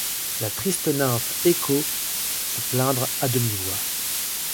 La triste nymphe Écho se plaindre à demi-voix.